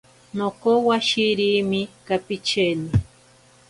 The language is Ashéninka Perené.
Nokowashirimi kapicheni.